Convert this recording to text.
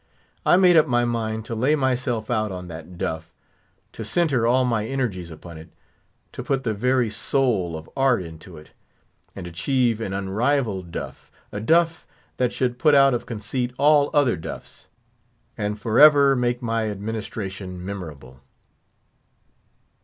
I made up my mind to lay myself out on that duff; to centre all my energies upon it; to put the very soul of art into it, and achieve an unrivalled duff—a duff that should put out of conceit all other duffs, and for ever make my administration memorable.